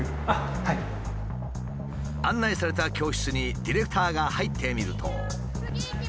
案内された教室にディレクターが入ってみると。